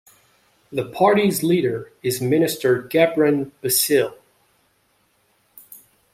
The party's leader is Minister Gebran Bassil.